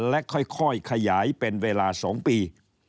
และค่อยขยายเป็นเวลา๒ปี